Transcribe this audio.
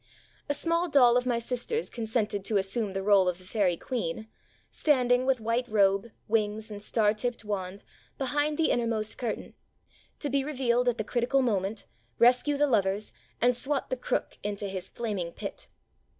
A small doll of my sister's consented to assume the role of the Fairy Queen вҖ" standing, with white robe, wings and star tipt wand, behind the innermost curtain, to be revealed at the critical moment, rescue the lovers, and swat the "Crook" into his flaming pit.